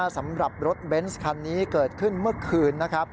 สำหรับรถเบนส์คันนี้เกิดขึ้นเมื่อคืนนะครับ